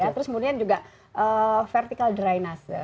terus kemudian juga vertical dry nase